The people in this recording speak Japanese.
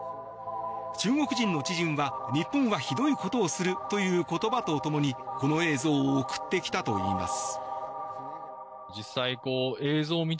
中国人の知人は日本は酷いことをするという言葉と共に、この映像を送ってきたといいます。